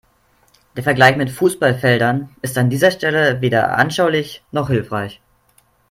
Der Vergleich mit Fußballfeldern ist an dieser Stelle weder anschaulich noch hilfreich.